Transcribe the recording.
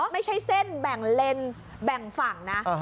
ไม่ใช่เส้นแบ่งเลนแบ่งฝั่งนะ